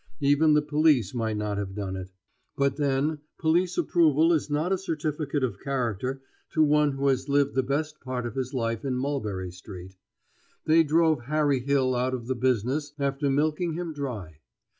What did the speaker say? Even the police might not have done it. But, then, police approval is not a certificate of character to one who has lived the best part of his life in Mulberry Street. They drove Harry Hill out of the business after milking him dry.